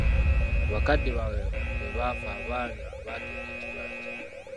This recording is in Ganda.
Bakadde baabwe bwe baafa abaana baatunda ekibanja.